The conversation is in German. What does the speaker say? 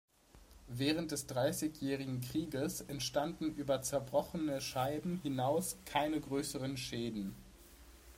Während des Dreißigjährigen Krieges entstanden über zerbrochene Scheiben hinaus keine größeren Schäden.